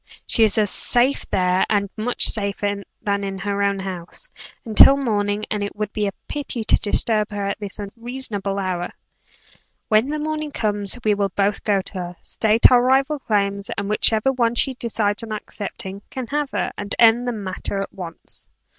She is as safe there, and much safer than in her own house, until morning, and it would be a pity to disturb her at this unseasonable hour. When the morning comes, we will both go to her together state our rival claims and whichever one she decides on accepting, can have her, and end the matter at once."